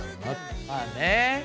まあね。